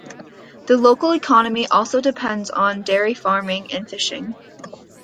The local economy also depends on dairy farming and fishing.